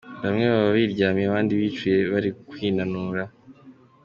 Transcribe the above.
Bamwe baba biryamiye abandi bicuye bari kwinanura.